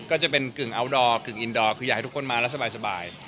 ก็จะเป็นกึ่งอัลดอร์กึ่งอินดอร์คืออยากให้ทุกคนมาแล้วสบาย